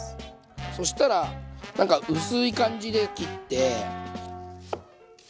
そしたらなんか薄い感じで切って。